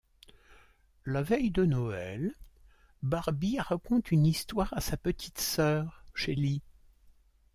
La veille de Noël, Barbie raconte une histoire à sa petite sœur Shelly.